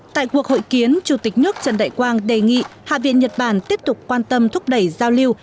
tại cuộc hội kiến chủ tịch nước trần đại quang đề nghị hạ viện nhật bản tiếp tục quan tâm thúc đẩy giao lưu